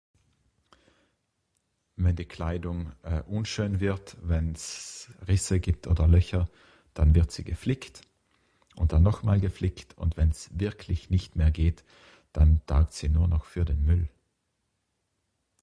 Wenn die Kleidung eh unschön wird, wenns Risse gibt oder Löcher dann wird sie geflickt. Und dann nochmal geflickt und wenns wirklich nicht mehr geht, dann taugt Sie nur noch für den Müll.